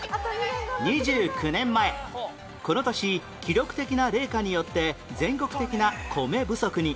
２９年前この年記録的な冷夏によって全国的な米不足に